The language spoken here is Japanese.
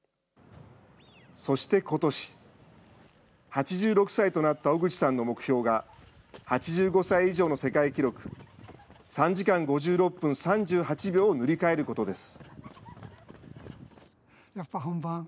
そしてことし、８６歳となった小口さんの目標が、８５歳以上の世界記録、３時間５６分３８秒を塗り替えることです。